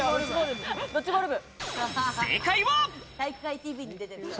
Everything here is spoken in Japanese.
正解は。